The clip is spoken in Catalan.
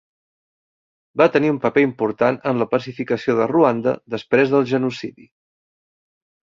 Va tenir un paper important en la pacificació de Ruanda després del genocidi.